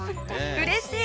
うれしい！